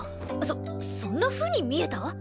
そそんなふうに見えた？